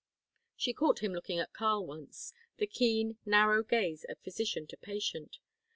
She caught him looking at Karl once; the keen, narrow gaze of physician to patient.